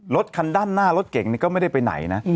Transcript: รถคันด้านหน้ารถเก่งนี่ก็ไม่ได้ไปไหนนะ